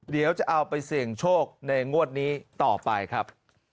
เดี๋ยวจะเอาไปเสี่ยงโชคในงวดนี้ต่อไปครับ